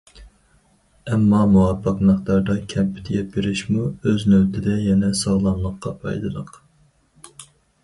ئەمما مۇۋاپىق مىقداردا كەمپۈت يەپ بېرىشمۇ ئۆز نۆۋىتىدە يەنە ساغلاملىققا پايدىلىق.